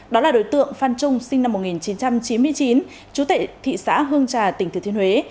đó là đối tượng phan trung sinh năm một nghìn chín trăm chín mươi chín chú tệ thị xã hương trà tỉnh thừa thiên huế